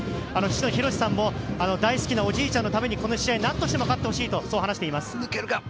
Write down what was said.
ひろしさんも大好きなおじいちゃんのためにこの試合、何としても勝ってほしいと話しています。